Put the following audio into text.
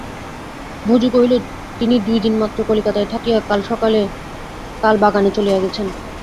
ভজু কহিল, তিনি দুই দিন মাত্র কলিকাতায় থাকিয়া কাল বাগানে চলিয়া গেছেন।